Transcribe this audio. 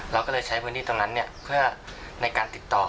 เราก็เลยใช้พื้นที่ตรงนั้นเพื่อในการติดต่อ